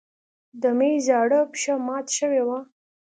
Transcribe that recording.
د مېز زاړه پښه مات شوې وه.